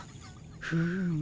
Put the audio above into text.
フーム。